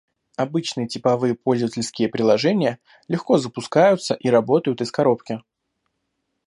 Обычные типовые пользовательские приложения легко запускаются и работают «из коробки»